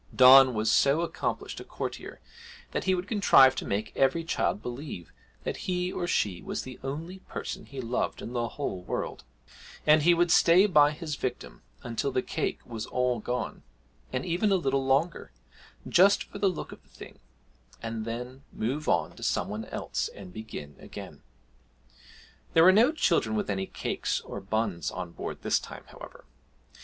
Don was so accomplished a courtier that he would contrive to make every child believe that he or she was the only person he loved in the whole world, and he would stay by his victim until the cake was all gone, and even a little longer, just for the look of the thing, and then move on to some one else and begin again. There were no children with any cakes or buns on board this time, however.